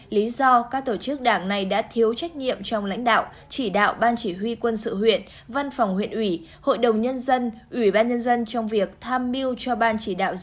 lý do các tổ chức đảng này đã thiếu trách nhiệm trong lãnh đạo chỉ đạo ban chỉ huy quân sự huyện văn phòng huyện ủy hội đồng nhân dân ủy ban nhân dân trong việc tham mưu cho ban chỉ đạo